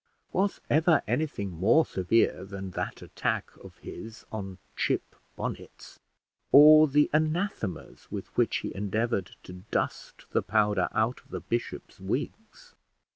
Was ever anything more severe than that attack of his on chip bonnets, or the anathemas with which he endeavoured to dust the powder out of the bishops' wigs?